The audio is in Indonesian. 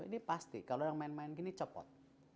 ini pasti kalau orang main main gini copot